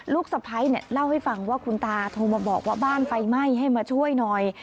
สะพ้ายเนี่ยเล่าให้ฟังว่าคุณตาโทรมาบอกว่าบ้านไฟไหม้ให้มาช่วยหน่อย